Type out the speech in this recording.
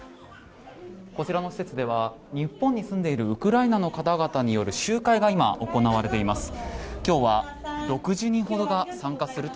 こちらの施設では日本に住んでいるウクライナの方々による集会が今、行われています。